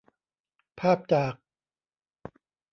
ภาพจาก